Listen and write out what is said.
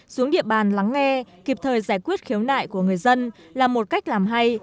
xuống địa bàn lắng nghe kịp thời giải quyết khiếu nại của người dân là một cách làm hay